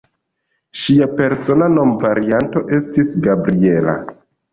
Ŝia persona nomvarianto estis "Gabriella".